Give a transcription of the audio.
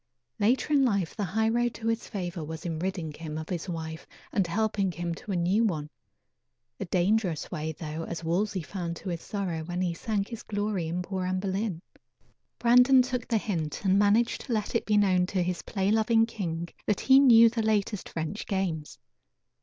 Later in life the high road to his favor was in ridding him of his wife and helping him to a new one a dangerous way though, as Wolsey found to his sorrow when he sank his glory in poor Anne Boleyn. Brandon took the hint and managed to let it be known to his play loving king that he knew the latest French games.